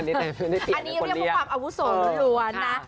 อันนี้เรียกเพราะภาพอาวุศงศ์ล้วนนะ